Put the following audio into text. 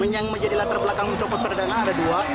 yang menjadilah terbelakang mencokot perdagangan ada dua